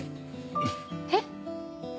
えっ？